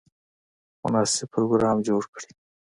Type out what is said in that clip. مناسب پروګرام جوړ کړي.